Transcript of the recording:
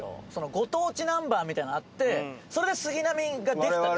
ご当地ナンバーみたいなのがあってそれで杉並が出来たでしょ。